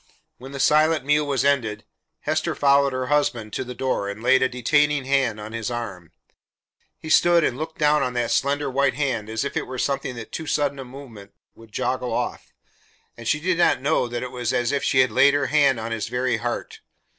When the silent meal was ended, Hester followed her husband to the door and laid a detaining hand on his arm. He stood and looked down on that slender white hand as if it were something that too sudden a movement would joggle off, and she did not know that it was as if she had laid her hand on his very heart.